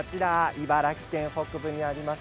茨城県北部にあります